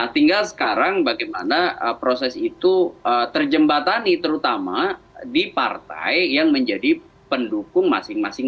tinggal sekarang bagaimana proses itu terjembatani terutama di partai yang menjadi pendukung masing masing